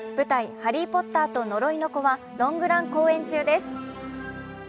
「ハリー・ポッターと呪いの子」はロングラン公演中です。